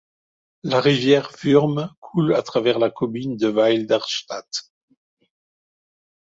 La rivière Würm coule à travers la commune de Weil der Stadt.